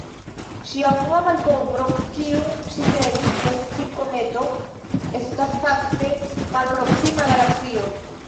Ŝia unua malkovro, kiun ŝi kredis esti kometo, estas fakte malproksima galaksio.